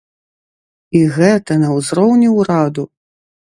І гэта на ўзроўні ўраду!